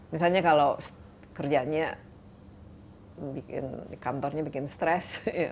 misalnya kalau kerjanya kantornya bikin stress